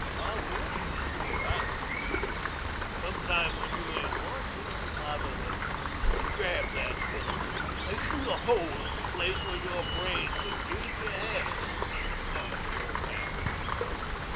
"I wouldn't either if I were you. Sometime when you ain't watching, I'm liable to grab that gun and shoot a hole in the place where your brains would be if you had any," countered the old man.